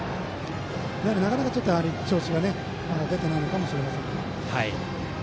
なかなか調子が出ていないかもしれません。